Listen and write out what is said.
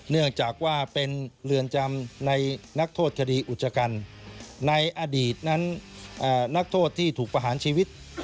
เนื่องจากว่าเป็นเรือนจำในนักโทษคดีอุจจกรรมในอดีตนั้นนักโทษที่ถูกประหารชีวิต